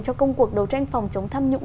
cho công cuộc đấu tranh phòng chống tham nhũng